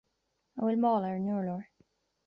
An bhfuil mála ar an urlár